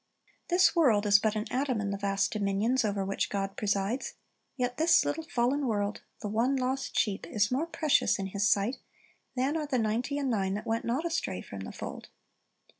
This world is but an atom in the vast dominions over which God presides; yet this little fallen world — the one lost sheep — is more precious in His sight than arc the ninety and nine that went not astray from the fold.